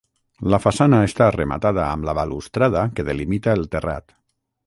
La façana està rematada amb la balustrada que delimita el terrat.